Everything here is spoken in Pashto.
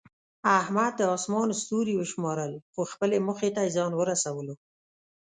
احمد د اسمان ستوري وشمارل، خو خپلې موخې ته یې ځان ورسولو.